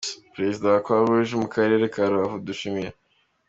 Perezida wa Croix Rouge mu Karere ka Rubavu, Dr Dushime G.